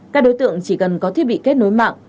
các đối tượng chỉ cần có thiết bị kết nối mạng